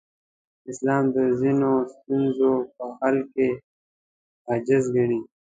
اسلام د ځینو ستونزو په حل کې عاجز ګڼي.